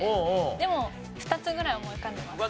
でも２つぐらい思い浮かんでます。